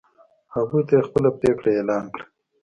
هغوی ته یې خپله پرېکړه اعلان کړه.